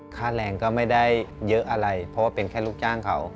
ค่าแรงก็ไม่ได้เยอะอะไรเพราะว่าเป็นแค่ลูกจ้างเขา